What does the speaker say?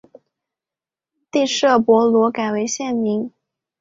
第聂伯罗改为现名。